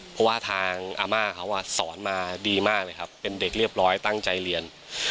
เพราะว่าทางอาม่าเขาสอนมาดีมากเลยครับเป็นเด็กเรียบร้อยตั้งใจเรียน